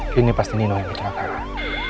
kini pasti nino yang kebakaran